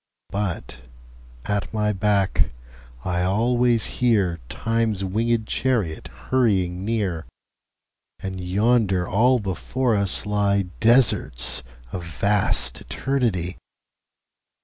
But at my back I alwaies hearTimes winged Charriot hurrying near:And yonder all before us lyeDesarts of vast Eternity.